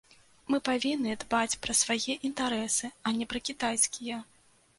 Мы павінны дбаць пра свае інтарэсы, а не пра кітайскія.